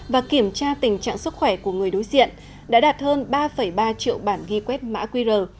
và kiểm tra tình trạng sức khỏe của người đối diện đã đạt hơn ba ba triệu bản ghi quét mã qr